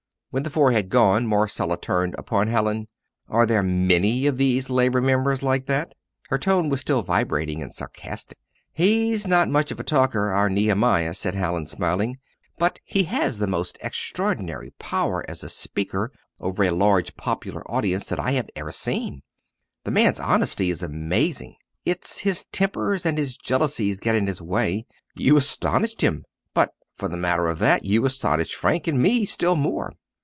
When the four had gone, Marcella turned upon Hallin. "Are there many of these Labour members like that?" Her tone was still vibrating and sarcastic. "He's not much of a talker, our Nehemiah," said Hallin, smiling; "but he has the most extraordinary power as a speaker over a large popular audience that I have ever seen. The man's honesty is amazing, it's his tempers and his jealousies get in his way. You astonished him; but, for the matter of that, you astonished Frank and me still more!"